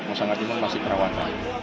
masa nanti masih terawat